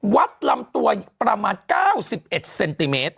วัดลำตัวประมาณ๙๑เซนติเมตร